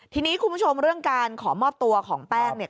ทีนี้คุณผู้ชมเรื่องการขอมอบตัวของแป้งเนี่ย